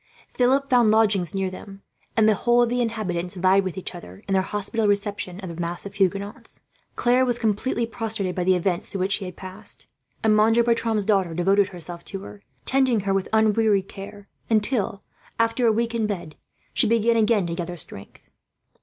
Philip found lodgings near them, and the whole of the inhabitants vied with each other, in their hospitable reception of the mass of fugitives. Claire was completely prostrated by the events through which she had passed, and Monsieur Bertram's daughter devoted herself to her, tending her with unwearied care until, after a week in bed, she began again to gather strength.